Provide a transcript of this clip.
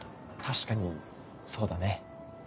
確かにそうだね。